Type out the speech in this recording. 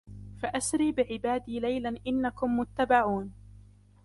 فأسر بعبادي ليلا إنكم متبعون